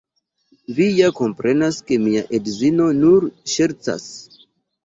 Vi ja komprenas, ke mia edzino nur ŝercas?